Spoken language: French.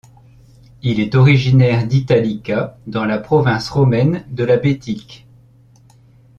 Il est originaire d’Italica dans la province romaine de la Bétique.